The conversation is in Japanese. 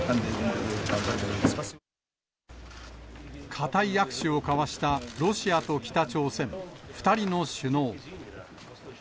固い握手を交わしたロシアと北朝鮮、２人の首脳。